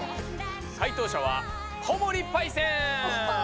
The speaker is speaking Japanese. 解答者は小森パイセーン！